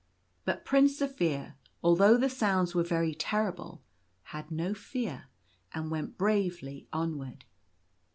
But Prince Zaphir, although the sounds were very terrible, had no fear, and went bravely onward.